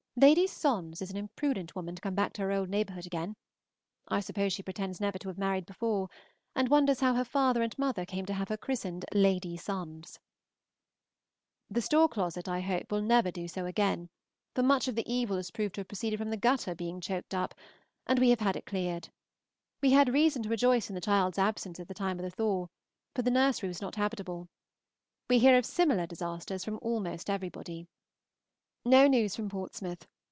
Lady Sondes is an impudent woman to come back into her old neighborhood again; I suppose she pretends never to have married before, and wonders how her father and mother came to have her christened Lady Sondes. The store closet, I hope, will never do so again, for much of the evil is proved to have proceeded from the gutter being choked up, and we have had it cleared. We had reason to rejoice in the child's absence at the time of the thaw, for the nursery was not habitable. We hear of similar disasters from almost everybody. No news from Portsmouth.